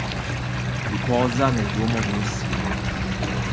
Riposa nel duomo di Messina.